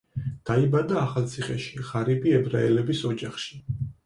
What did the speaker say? დაიბადა ახალციხეში, ღარიბი ებრაელების ოჯახში.